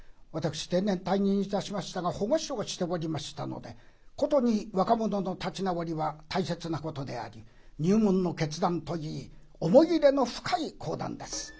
私定年退任いたしましたが保護司をしておりましたので殊に若者の立ち直りは大切なことであり入門の決断といい思い入れの深い講談です。